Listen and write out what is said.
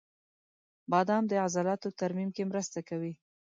• بادام د عضلاتو ترمیم کې مرسته کوي.